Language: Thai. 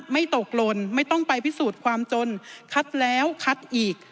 ตกหล่นไม่ต้องไปพิสูจน์ความจนคัดแล้วคัดอีก